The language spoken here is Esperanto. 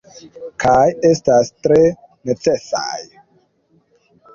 Kaj estas tre necesaj.